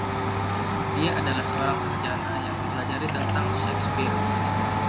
Dia adalah seorang sarjana yang mempelajari tentang Shakespeare.